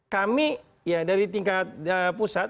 kami ya dari tingkat pusat